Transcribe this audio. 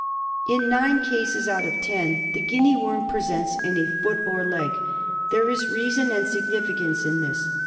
In nine cases out of ten the Guinea worm presents in a foot or leg. There is reason and significance in this.